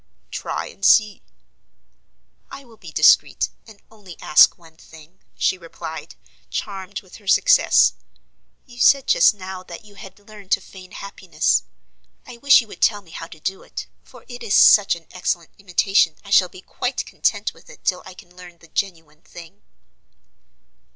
"Try and see." "I will be discreet, and only ask one thing," she replied, charmed with her success. "You said just now that you had learned to feign happiness. I wish you would tell me how you do it, for it is such an excellent imitation I shall be quite content with it till I can learn the genuine thing."